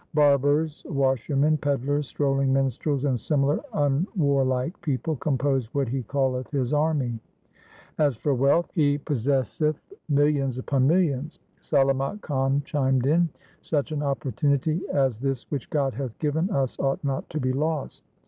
Barbers, washer men, pedlars, strolling minstrels, and similar unwar like people compose what he calleth his army. As 198 THE SIKH RELIGION for wealth, he possesseth millions upon millions.' Salamat Khan chimed in. ' Such an opportunity as this which God hath given us ought not to be lost.'